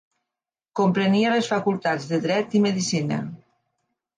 Comprenia les Facultats de Dret i Medicina.